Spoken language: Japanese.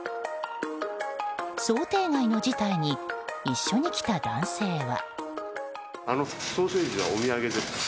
想定外の事態に一緒に来た男性は。